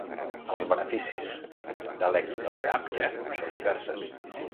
Els beneficis de l’equinoteràpia són diverses.